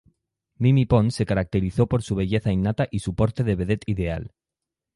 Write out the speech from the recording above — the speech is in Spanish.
Mimí Pons se caracterizó por su belleza innata y su porte de vedette ideal.